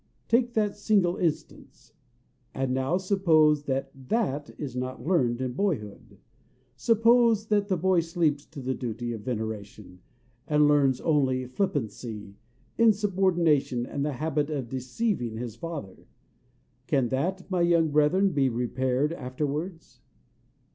Take that single instance; and now suppose that that is not learned in boyhood. Suppose that the boy sleeps to the duty of veneration, and learns only flippancy, insubordination, and the habit of deceiving his father, can that, my young brethren, be repaired afterwards?